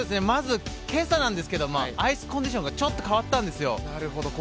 まず今朝なんですけど、アイスコンディションがちょっと変わったんですよ。